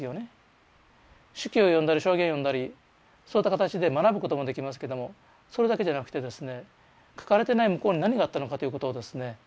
手記を読んだり証言を読んだりそういった形で学ぶこともできますけどもそれだけじゃなくてですね書かれてない向こうに何があったのかということをですね